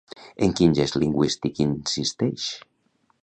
En quin gest lingüístic insisteix?